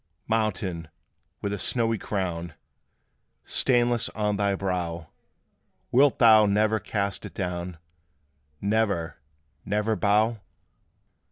Mountain, with a snowy crown Stainless on thy brow, Wilt thou never cast it down Never, never bow?